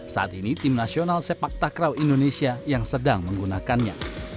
saat ini tim nasional sepak takraw indonesia yang sedang menggunakannya